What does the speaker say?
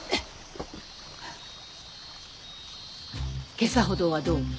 今朝ほどはどうも。